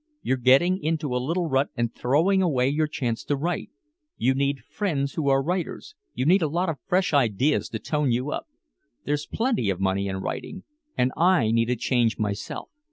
You're getting into a little rut and throwing away your chance to write. You need friends who are writers, you need a lot of fresh ideas to tone you up. There's plenty of money in writing. And I need a change myself.